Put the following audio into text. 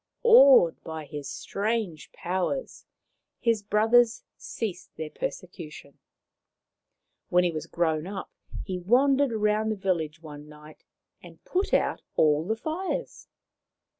Awed by his strange powers, his brothers ceased their persecution. When he was grown up he wandered round the village one night and put out all the fires.